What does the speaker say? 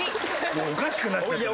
もうおかしくなっちゃってる。